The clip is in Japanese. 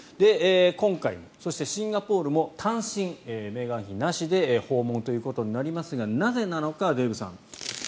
今回、そしてシンガポールも単身メーガン妃なしで訪問ということになりますがなぜなのか、デーブさん。